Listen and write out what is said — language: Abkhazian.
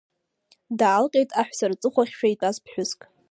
Даалҟьеит аҳәса рҵыхәахьшәа итәаз ԥҳәыск.